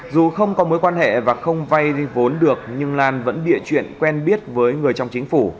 dù không có mối quan hệ và không vay vốn được nhưng lan vẫn địa chuyện quen biết với người trong chính phủ